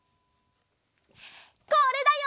これだよ！